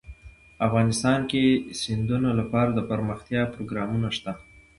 افغانستان کې د سیندونه لپاره دپرمختیا پروګرامونه شته.